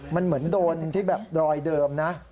มันเหมือนโดนที่แบบรอยเดิมนะ